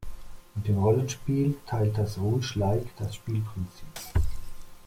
Mit dem Rollenspiel teilt das Rogue-like das Spielprinzip.